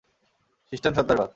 খ্রিস্টান সন্ত্রাসবাদ